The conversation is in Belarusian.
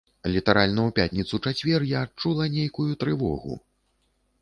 Літаральна ў пятніцу-чацвер я адчула нейкую трывогу.